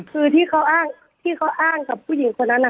คือที่เขาอ้างกับผู้หญิงคนนั้นค่ะ